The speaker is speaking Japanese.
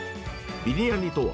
ビリヤニとは、